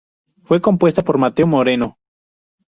Fue compuesta por Mateo Moreno.